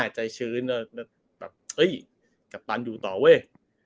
ใจชื้นแล้วแบบเฮ้ยกัปตันอยู่ต่อเว้ย